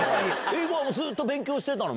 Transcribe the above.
英語はずっと勉強してたの？